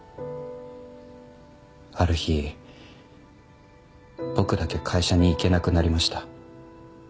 ある日僕だけ会社に行けなくなりました。